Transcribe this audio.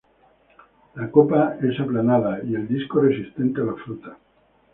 La copa está aplanada y el disco resistente a la fruta.